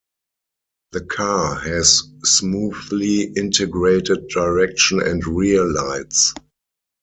The car has smoothly integrated direction and rear lights.